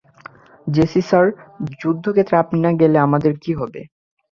JC sir, যুদ্ধক্ষেত্রে আপনি না গেলে আমাদের কী হবে?